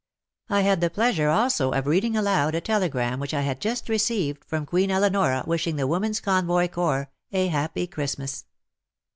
I had the pleasure also of reading aloud a telegram which I had just received from Queen Eleonora wishing the Women's Convoy Corps a happy Xmas.